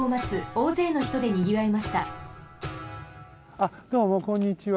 あっどうもこんにちは。